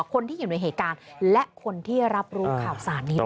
คนที่อยู่ในเหตุการณ์และคนที่รับรู้ข่าวสารนี้ด้วย